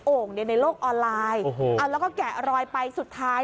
่งในโลกออนไลน์เอาแล้วก็แกะรอยไปสุดท้าย